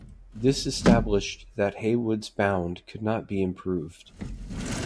This established that Heawood's bound could not be improved.